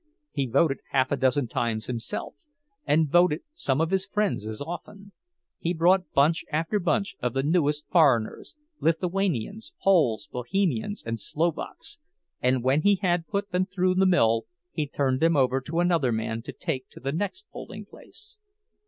He voted half a dozen times himself, and voted some of his friends as often; he brought bunch after bunch of the newest foreigners—Lithuanians, Poles, Bohemians, Slovaks—and when he had put them through the mill he turned them over to another man to take to the next polling place.